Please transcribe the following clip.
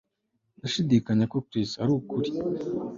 Ndashidikanya ko Chris arukuri